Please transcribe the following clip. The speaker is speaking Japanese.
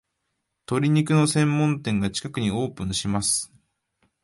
鶏肉の専門店が近くにオープンします